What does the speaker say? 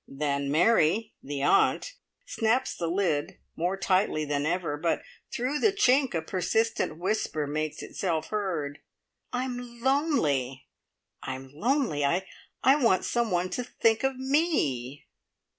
Then Mary, the aunt, snaps the lid more tightly than ever, but through the chink a persistent whisper makes itself heard: "I'm lonely! I'm lonely! I want some one to think of me."